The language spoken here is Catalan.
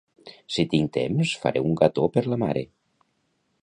si tinc temps faré un gató per la mare